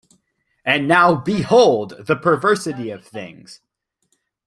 And now behold the perversity of things.